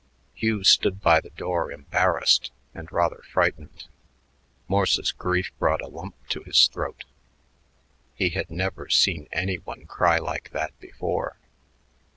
Hugh stood by the door embarrassed and rather frightened. Morse's grief brought a lump to his throat. He had never seen any one cry like that before.